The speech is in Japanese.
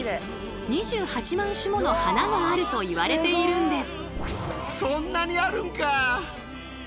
２８万種もの花があるといわれているんです。